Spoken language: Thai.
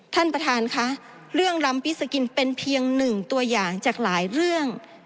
ท่านประธานค่ะเรื่องลำปิสกินเป็นเพียงหนึ่งตัวอย่างจากหลายเรื่อง